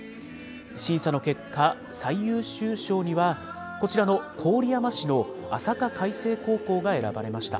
審査の結果、最優秀賞には、こちらの郡山市のあさか開成高校が選ばれました。